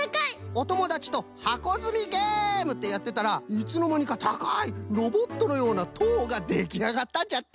おともだちとはこづみゲーム！ってやってたらいつのまにかたかいロボットのようなとうができあがったんじゃって！